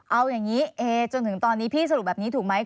เอาอย่างนี้เอจนถึงตอนนี้พี่สรุปแบบนี้ถูกไหม